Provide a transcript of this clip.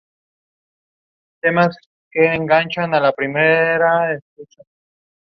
Estudios en Homenaje al Prof.